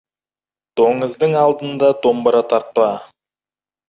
Доңыздың алдында домбыра тартпа.